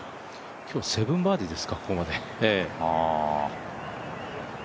今日、７バーディーですか、ここまで。